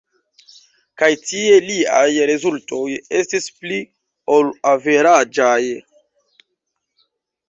Kaj tie liaj rezultoj estis pli ol averaĝaj.